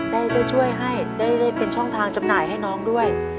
ได้ช่วยให้ได้เป็นช่องทางจำหน่ายให้น้องด้วย